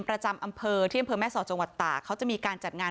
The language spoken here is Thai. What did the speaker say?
ประจำอำเภอที่อำเภอแม่สอดจังหวัดตากเขาจะมีการจัดงาน